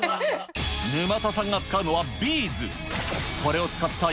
沼田さんが使うのはビーズ。